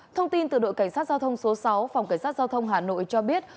thông tin từ đội cảnh sát giao thông số sáu phòng cảnh sát giao thông hà nội cho biết